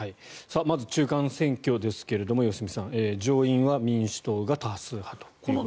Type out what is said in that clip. まず中間選挙ですが良純さん、上院は民主党が多数派ということです。